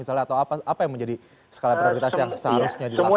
atau apa yang menjadi skala prioritas yang seharusnya dilakukan